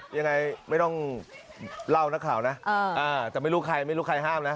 ยังไงไม่ต้องเล่านักข่าวนะแต่ไม่รู้ใครไม่รู้ใครห้ามนะ